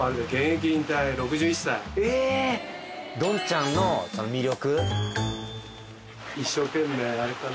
ドンちゃんの魅力。